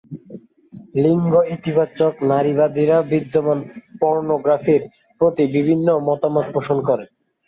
লিঙ্গ-ইতিবাচক নারীবাদীরা বিদ্যমান পর্নোগ্রাফির প্রতি বিভিন্ন মতামত পোষণ করে।